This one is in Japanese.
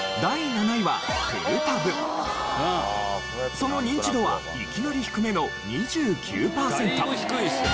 そのニンチドはいきなり低めの２９パーセント。